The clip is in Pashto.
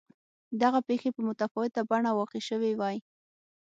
دغه پېښې په متفاوته بڼه واقع شوې وای.